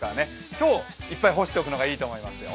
今日いっぱい干しておくのがいいと思いますよ。